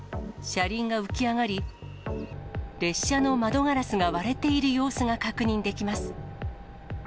車輪が浮き上がり、列車の窓ガラスが割れている様子が確認できます。